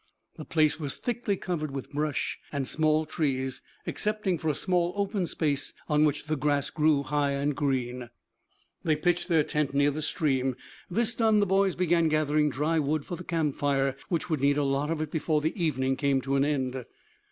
The place was thickly covered with brush and small trees, excepting for a small open space on which the grass grew high and green. They pitched their tent near the stream. This done the boys began gathering dry wood for the campfire which would need a lot of it before the evening came to an end.